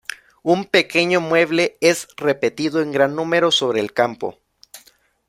Un pequeño mueble es repetido en gran número sobre el campo.